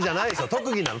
特技なの？